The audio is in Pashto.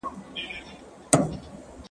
زه بايد ږغ واورم؟!